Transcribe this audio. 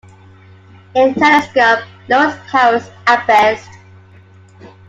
In telescopes, lowest powers are best.